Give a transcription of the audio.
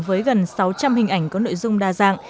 với gần sáu trăm linh hình ảnh có nội dung đa dạng